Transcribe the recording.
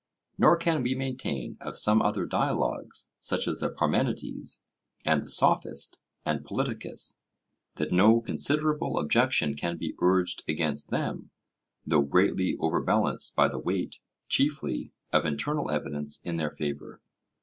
Nor can we maintain of some other dialogues, such as the Parmenides, and the Sophist, and Politicus, that no considerable objection can be urged against them, though greatly overbalanced by the weight (chiefly) of internal evidence in their favour.